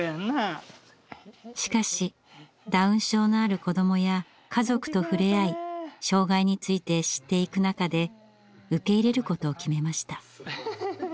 しかしダウン症のある子どもや家族と触れ合い障害について知っていく中で受け入れることを決めました。